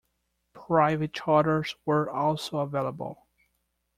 Private charters were also available.